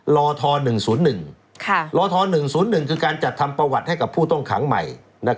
ลท๑๐๑ลท๑๐๑คือการจัดทำประวัติให้กับผู้ต้องขังใหม่